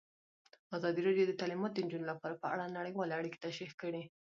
ازادي راډیو د تعلیمات د نجونو لپاره په اړه نړیوالې اړیکې تشریح کړي.